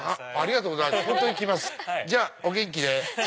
じゃあお元気で。